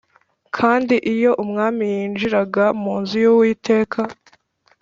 Kandi iyo umwami yinjiraga mu nzu y’Uwiteka